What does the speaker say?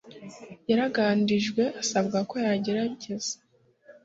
Yaraganirijwe asabwa ko yagerageza